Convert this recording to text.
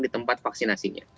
di tempat vaksinasinya